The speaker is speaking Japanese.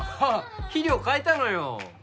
肥料変えたのよ